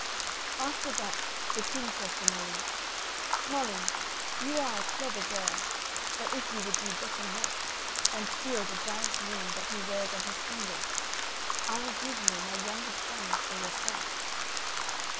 After that the king says to Molly: "Molly, you are a clever girl, but if you would do better yet, and steal the giant's ring that he wears on his finger, I will give you my youngest son for yourself."